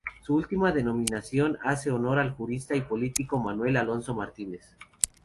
Su última denominación hace honor al jurista y político Manuel Alonso Martínez.